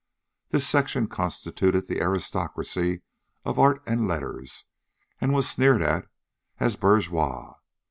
This section constituted the aristocracy of art and letters, and was sneered at as bourgeois.